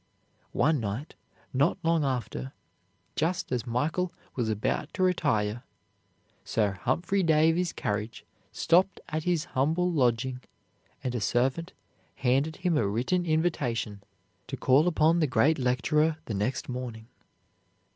One night, not long after, just as Michael was about to retire, Sir Humphry Davy's carriage stopped at his humble lodging, and a servant handed him a written invitation to call upon the great lecturer the next morning.